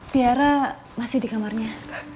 biara masih di kamarnya